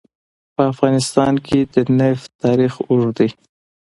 په افغانستان کې د نفت تاریخ اوږد دی.